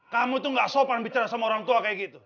kamu itu tidak sopan bicara sama orang tua seperti itu